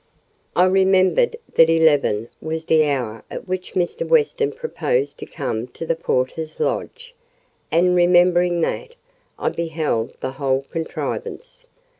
I remembered that eleven was the hour at which Mr. Weston proposed to come to the porter's lodge; and remembering that, I beheld the whole contrivance.